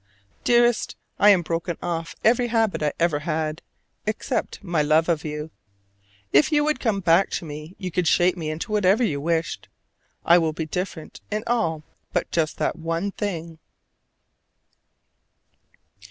Dearest, I am broken off every habit I ever had, except my love of you. If you would come back to me you could shape me into whatever you wished. I will be different in all but just that one thing.